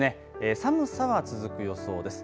寒さは続く予想です。